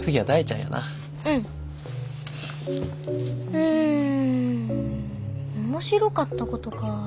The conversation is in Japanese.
うん面白かったことかぁ。